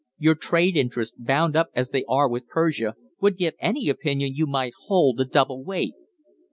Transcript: Your trade interests, bound up as they are with Persia, would give any opinion you might hold a double weight."